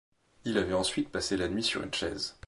Il avait ensuite passé la nuit sur une chaise.